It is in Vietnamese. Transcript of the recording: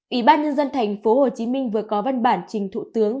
ủy ban nhân dân thành phố hồ chí minh vừa có văn bản trình thủ tướng